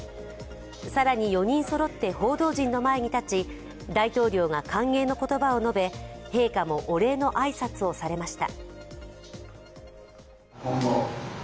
更に４人そろって報道陣の前に立ち大統領が歓迎の言葉を述べ、陛下もお礼の挨拶をされました。